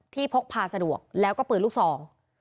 พกพาสะดวกแล้วก็ปืนลูกซอง